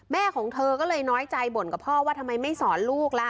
แม่ของเธอก็เลยน้อยใจบ่นกับพ่อว่าทำไมไม่สอนลูกล่ะ